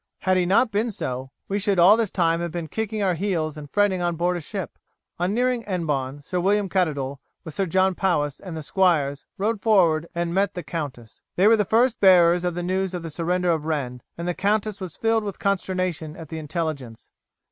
Had he not been so, we should all this time have been kicking our heels and fretting on board a ship." On nearing Hennebon, Sir William Caddoudal, with Sir John Powis and the squires, rode forward and met the countess. They were the first bearers of the news of the surrender of Rennes, and the countess was filled with consternation at the intelligence.